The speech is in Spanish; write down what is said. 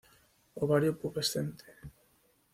Ovario pubescente.